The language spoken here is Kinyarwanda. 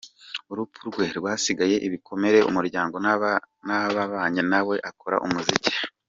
Urupfu rwe rwasigiye ibikomere umuryango n’ababanye na we akora umuziki.